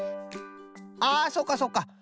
ああそうかそうか。